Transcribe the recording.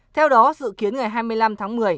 theo đó dự kiến ngày hai mươi năm tháng một mươi